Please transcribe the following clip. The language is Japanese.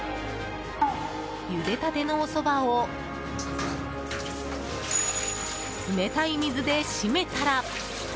ゆでたてのおそばを冷たい水で締めたら。